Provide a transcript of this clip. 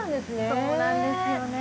そうなんですよね。